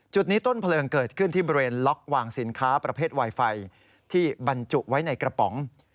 จุดนี้ต้นเพลิงเกิดขึ้นที่บริเวณล็อกวางสินค้าประเภทไวไฟที่บรรจุไว้ในกระป๋อง